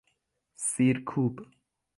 سیر کوب